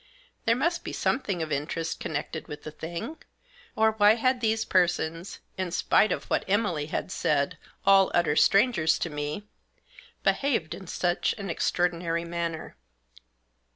There must be something of interest connected with the thing ; or why had these persons, in spite of what Emily had said, all utter strangers to me, behaved in such an extraordinary manner?